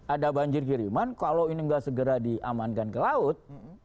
ada banjir kiriman kalau ini nggak segera diamankan ke laut